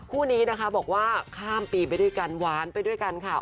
คู่นี้นะคะบอกว่าข้ามปีไปด้วยกันหวานไปด้วยกันค่ะ